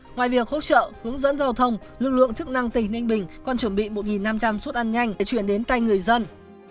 ngoài việc hỗ trợ hướng dẫn giao thông lực lượng chức năng tỉnh ninh bình còn chuẩn bị một năm trăm linh suất ăn nhanh để chuyển đến tay người dân